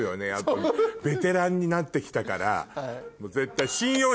ベテランになって来たから絶対。